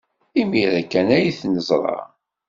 Imir-a kan ay t-neẓra.